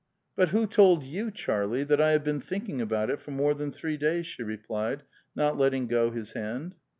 '* But who told you, Charlie, that I have been thinking about it for more than three days?" she replied, not letting go his hand.